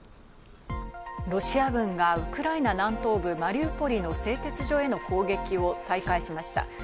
ロシア軍がウクライナ南東部マリウポリの製鉄所への攻撃を再開しました。